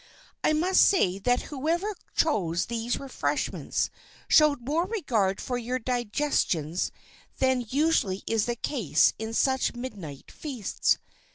"I must say that whoever chose these refreshments showed more regard for your digestions than usually is the case in such midnight feasts.